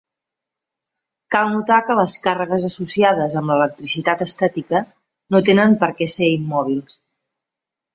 Cal notar que les càrregues associades amb l'electricitat estàtica no tenen per què ser immòbils.